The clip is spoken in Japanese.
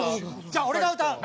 じゃあ俺が歌う。